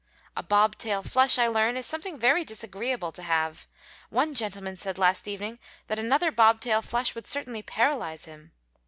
] A bob tail flush, I learn, is something very disagreeable to have. One gentleman said last evening that another bob tail flush would certainly paralyze him.